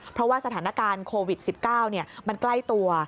เพราะว่าสถานการณ์โควิด๑๙มันใกล้ตัว